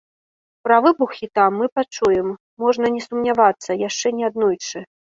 Пра выбухі там мы пачуем, можна не сумнявацца, яшчэ не аднойчы.